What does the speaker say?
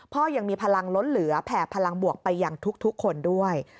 พ่อยังมีพลังล้นเหลือแผ่พลังบวกไปยังทุกคนด้วย